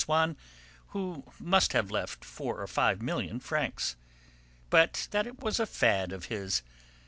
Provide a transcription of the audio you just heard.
Swann who must have left four or five million francs, but that it was a fad of his.